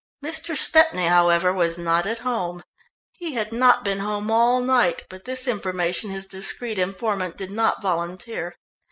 Mr. Stepney, however, was not at home he had not been home all night, but this information his discreet informant did not volunteer.